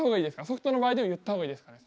ソフトの場合でも言った方がいいですかね？